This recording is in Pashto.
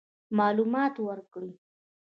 معلومات ورکړي.